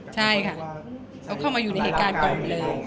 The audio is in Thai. ใช่ค่ะเขาเข้ามาอยู่ในเหตุการณ์ก่อนเลย